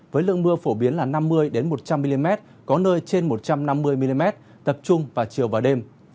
với lượng mưa phổ biến là năm mươi một trăm linh mm có nơi trên một trăm năm mươi mm tập trung vào chiều và đêm